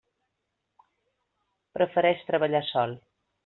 Prefereix treballar sol.